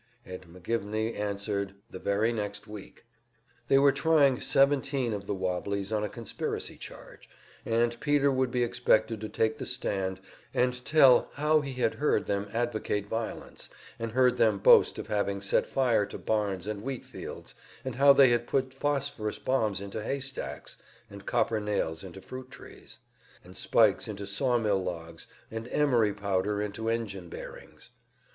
And McGivney answered, the very next week. They were trying seventeen of the "wobblies" on a conspiracy charge, and Peter would be expected to take the stand and tell how he had heard them advocate violence, and heard them boast of having set fire to barns and wheat fields, and how they had put phosphorus bombs into haystacks, and copper nails into fruit trees, and spikes into sawmill logs, and emery powder into engine bearings.